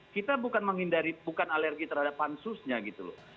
kita bukan menghindari bukan alergi terhadap pansusnya gitu loh